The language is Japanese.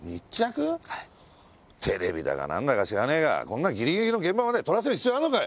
テレビだか何だか知らねえがこんなギリギリの現場まで撮らせる必要あるのか！